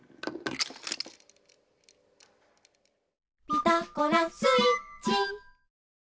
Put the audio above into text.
「ピタゴラスイッチ」